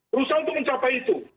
berusaha untuk mencapai itu